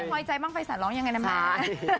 ไว้ใจบ้างไฟสันร้องยังไงนะแม่